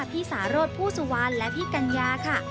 พี่สารสผู้สุวรรณและพี่กัญญาค่ะ